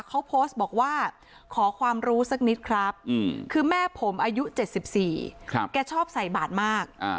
เขาโพสต์บอกว่าขอความรู้สักนิดครับคือแม่ผมอายุ๗๔แกชอบใส่บาทมาก